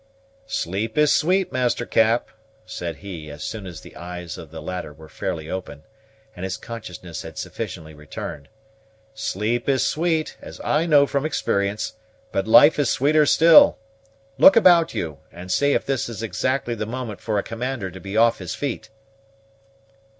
"Sleep is sweet, Master Cap," said he, as soon as the eyes of the latter were fairly open, and his consciousness had sufficiently returned, "sleep is sweet, as I know from experience, but life is sweeter still. Look about you, and say if this is exactly the moment for a commander to be off his feet."